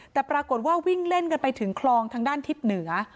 แต่ปรากฏว่าวิ่งเล่นกันไปถึงคลองทางด้านทิศเหนือ